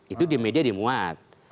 itu di media dimuat